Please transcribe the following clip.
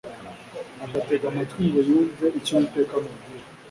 agatega amatwi ngo yumve icyo Uwiteka amubwira